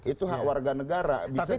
itu warga negara bisa dibuka